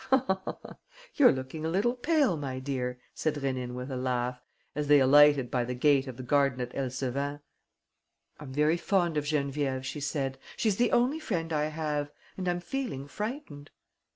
"You're looking a little pale, my dear," said Rénine, with a laugh, as they alighted by the gate of the garden at Elseven. "I'm very fond of Geneviève," she said. "She's the only friend I have. And I'm feeling frightened."